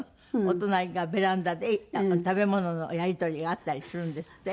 お隣からベランダで食べ物のやり取りがあったりするんですって？